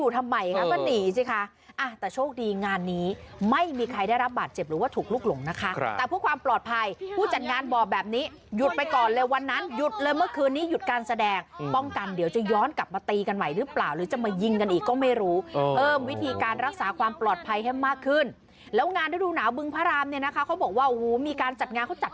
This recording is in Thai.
แต่ผู้ความปลอดภัยผู้จัดงานบ่อแบบนี้หยุดไปก่อนเลยวันนั้นหยุดเลยเมื่อคืนนี้หยุดการแสดงป้องกันเดี๋ยวจะย้อนกลับมาตีกันไหมหรือเปล่าหรือจะมายิงกันอีกก็ไม่รู้เอิ่มวิธีการรักษาความปลอดภัยให้มากขึ้นแล้วงานด้วยดูหนาวบึงพระรามเนี่ยนะคะเขาบอกว่าอู๋มีการจัดงานเขาจัด